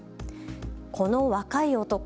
この若い男。